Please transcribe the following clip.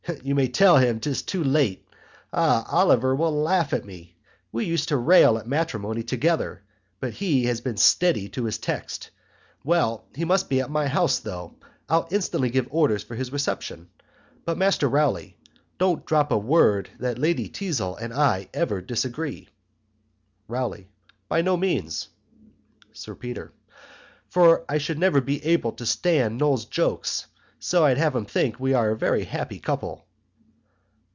You may tell him 'tis too late ah Oliver will laugh at me we used to rail at matrimony together but He has been steady to his Text well He must be at my house tho' I'll instantly give orders for his Reception but Master Rowley don't drop a word that Lady Teazle and I ever disagree. ROWLEY. By no means. SIR PETER. For I should never be able to stand Noll's jokes; so I'd have him think that we are a very happy couple.